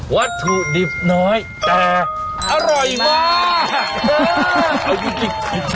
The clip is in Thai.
วัตถุดิบน้อยแต่อร่อยมาก